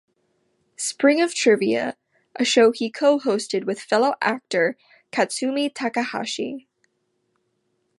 Spring of Trivia, a show he co-hosted with fellow actor Katsumi Takahashi.